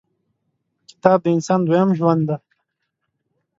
• کتاب، د انسان دویم ژوند دی.